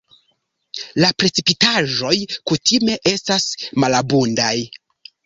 La precipitaĵoj kutime estas malabundaj.